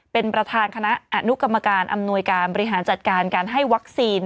เป็นประธานคณะอนุกรรมการอำนวยการบริหารจัดการการให้วัคซีน